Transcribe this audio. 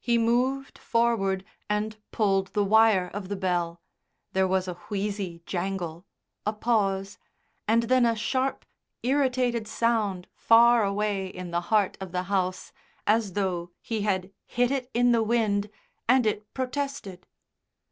He moved forward and pulled the wire of the bell; there was a wheezy jangle, a pause, and then a sharp irritated sound far away in the heart of the house, as though he had hit it in the wind and it protested.